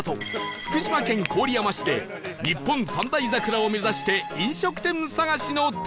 福島県郡山市で日本三大桜を目指して飲食店探しの旅